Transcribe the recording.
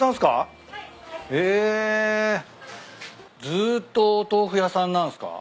ずっとお豆腐屋さんなんすか？